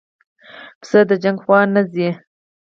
پسه د شخړې خوا نه ځي.